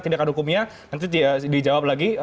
tindakan hukumnya nanti dijawab lagi